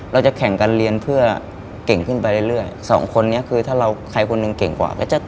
ตัวเองแข็งขึ้นไปอีก